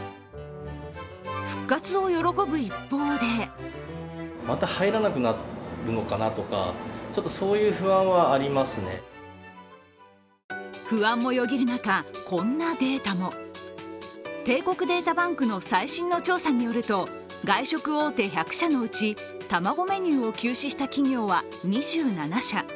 復活を喜ぶ一方で不安もよぎる中、こんなデータも帝国データバンクの最新の調査によると外食大手１００社のうち卵メニューを休止した企業は２７社。